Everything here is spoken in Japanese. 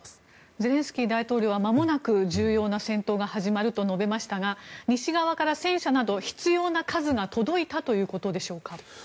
ゼレンスキー大統領はまもなく重要な戦闘が始まると述べましたが西側から戦車など必要な数が届いたということでしょうか。